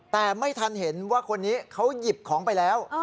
แต่ไม่ทันเห็นว่าคนนี้เขาหยิบของไปแล้ว